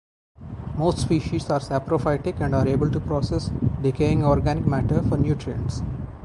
Most species are saprophytic and are able to process decaying organic matter for nutrients.